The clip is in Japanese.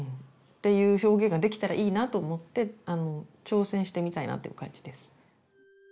ていう表現ができたらいいなと思って挑戦してみたいなっていう感じです。